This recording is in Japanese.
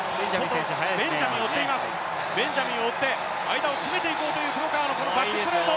ベンジャミンを追って間を詰めていこうという黒川のこのバックストレート。